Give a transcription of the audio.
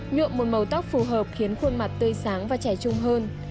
nhuộm một màu tóc phù hợp khiến khuôn mặt tươi sáng và trẻ trung hơn